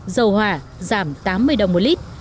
dầu hỏa giảm tám mươi đồng một lit